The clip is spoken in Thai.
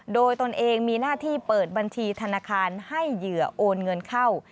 โดยตนเองมีหน้าที่เปิดบัญชีธนาคารให้เหยื่อโอนเงินเข้า